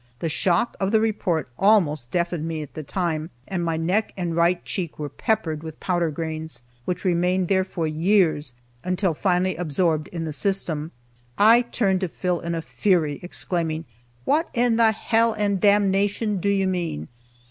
The shock of the report almost deafened me at the time, and my neck and right cheek were peppered with powder grains, which remained there for years until finally absorbed in the system. I turned to Phil in a fury, exclaiming, "What in the hell and damnation do you mean?"